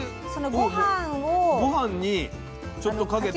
御飯にちょっとかけて。